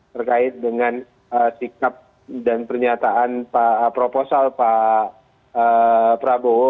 terkait dengan sikap dan pernyataan proposal pak prabowo